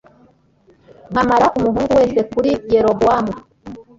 nkamara umuhungu wese kuri Yerobowamu